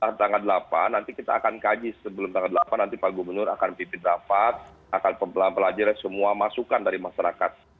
nah tanggal delapan nanti kita akan kaji sebelum tanggal delapan nanti pak gubernur akan pipit rapat akan mempelajari semua masukan dari masyarakat